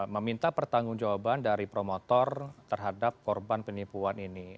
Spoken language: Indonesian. meminta pertanggung jawaban dari promotor terhadap korban penipuan ini